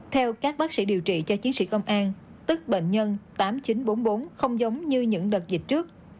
theo các bác sĩ điều trị cho chiến sĩ công an tức bệnh nhân tám nghìn chín trăm bốn mươi bốn không giống như những đợt dịch trước